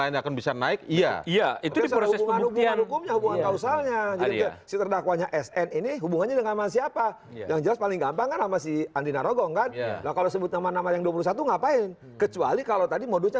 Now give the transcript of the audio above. ngapain kecuali kalau tadi modusnya